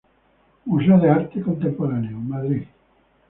Museo de Arte Contemporáneo, Madrid.